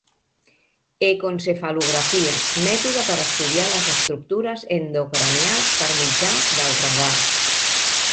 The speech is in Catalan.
Ecoencefalografia: Mètode per a estudiar les estructures endocranials per mitjà del radar.